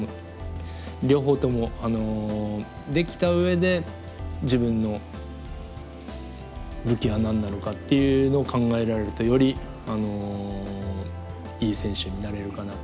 両方ともできた上で自分の武器は何なのかっていうのを考えられるとよりいい選手になれるかなと思います。